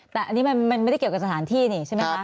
แต่อันนี้มันไม่ได้เกี่ยวกับสถานที่นี่ใช่ไหมคะ